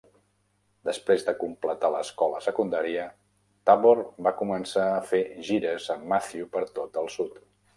Després de completar l'escola secundària, Tabor va començar a fer gires amb Matthew per tot el sud.